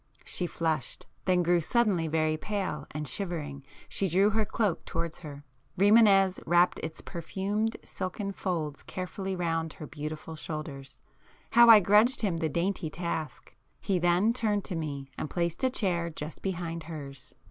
She flushed,—then grew suddenly very pale, and shivering, she drew her cloak towards her. Rimânez wrapped its perfumed silken folds carefully round her beautiful shoulders,—how [p 87] I grudged him the dainty task! He then turned to me, and placed a chair just behind hers.